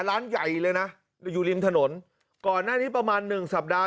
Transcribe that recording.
ร้านใหญ่เลยนะอยู่ริมถนนก่อนหน้านี้ประมาณหนึ่งสัปดาห